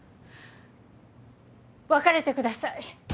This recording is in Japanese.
別れてください。